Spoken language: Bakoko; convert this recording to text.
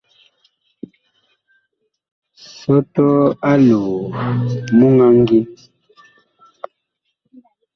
Sɔtɔɔ aloo muŋ a ngin.